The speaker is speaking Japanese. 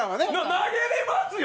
投げれますよ！